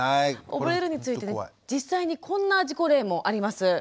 溺れるについて実際にこんな事故例もあります。